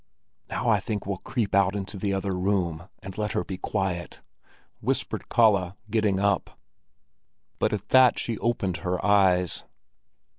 "Now I think we'll creep out into the other room, and let her be quiet," whispered Kalle, getting up; but at that she opened her eyes.